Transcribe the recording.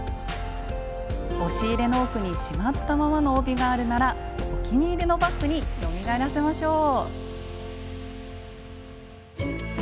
押し入れの奥にしまったままの帯があるならお気に入りのバッグによみがえらせましょう！